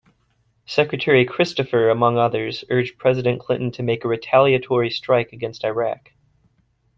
Secretary Christopher, among others, urged President Clinton to make a retaliatory strike against Iraq.